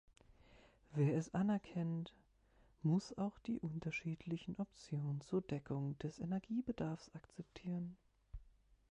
Wer es anerkennt, muss auch die unterschiedlichen Optionen zur Deckung des Energiebedarfs akzeptieren.